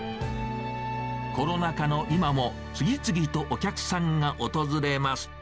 コロナ禍の今も、次々とお客さんが訪れます。